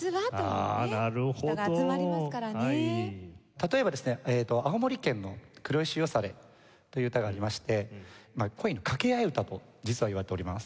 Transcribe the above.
例えばですね青森県の『黒石よされ』という歌がありまして恋の掛け合い唄と実は言われております。